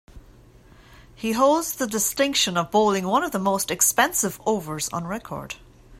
He holds the distinction of bowling one of the most expensive overs on record.